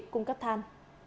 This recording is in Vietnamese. cung cấp than